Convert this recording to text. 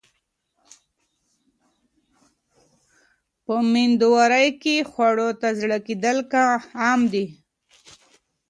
په مېندوارۍ کې خواړو ته زړه کېدل عام دي.